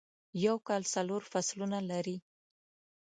یوکال څلور فصلونه لری